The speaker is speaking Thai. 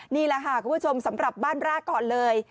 นี่แหละค่ะคุณผู้ชมสำหรับบ้านแรกก่อนเลย